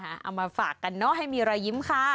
เอามาฝากกันเนอะให้มีรอยยิ้มค่ะ